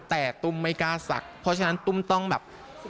แต่ตุ้มไม่กล้าศักดิ์เพราะฉะนั้นตุ้มต้องแบบ